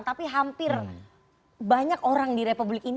tapi hampir banyak orang di republik ini